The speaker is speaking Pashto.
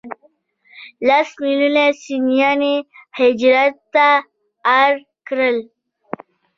لس ملیونه سنیان یې هجرت ته اړ کړل.